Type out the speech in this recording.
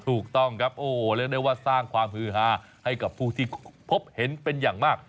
ถูกต้องครับโอ้โหเรียกได้ว่าสร้างความฮือฮาให้กับผู้ที่พบเห็นเป็นอย่างมาก